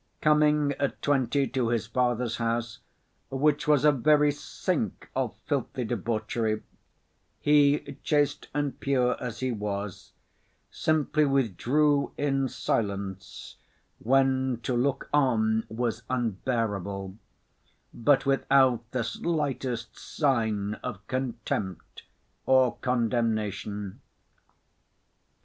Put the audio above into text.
Coming at twenty to his father's house, which was a very sink of filthy debauchery, he, chaste and pure as he was, simply withdrew in silence when to look on was unbearable, but without the slightest sign of contempt or condemnation.